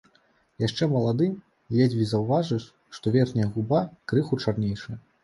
Яшчэ малады, ледзьве заўважыш, што верхняя губа крыху чарнейшая.